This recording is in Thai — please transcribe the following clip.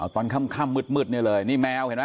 ตอนค่ำมืดนี่เลยนี่แมวเห็นไหม